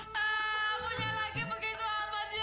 punya lagi begitu amat ya